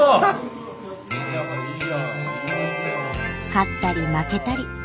勝ったり負けたり。